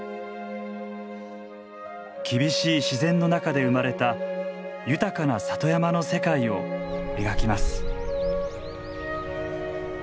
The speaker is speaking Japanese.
厳しい自然の中で生まれた豊かな里山の世界を描きます。